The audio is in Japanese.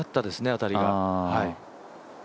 当たりが。